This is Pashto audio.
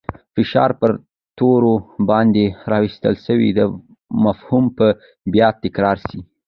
فشار پر تورو باندې راوستل سو. دا مفهوم به بیا تکرار سي.